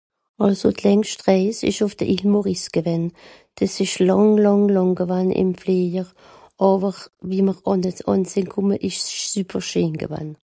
àlso d'längst Reis esch ùff de Ile maurice gewänn des esch làng làng làng gewann ìm fleijer àwer wie mr àn sìn kòmme esch's sùper scheen gewann